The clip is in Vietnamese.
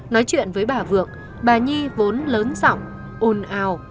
nói chuyện với bà vượng bà nhi vốn lớn giọng ồn ào